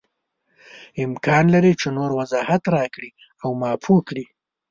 امکان لري چې نور وضاحت راکړې او ما پوه کړې.